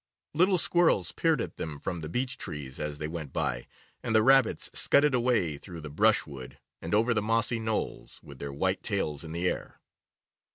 Little squirrels peered at them from the beech trees as they went by, and the rabbits scudded away through the brushwood and over the mossy knolls, with their white tails in the air.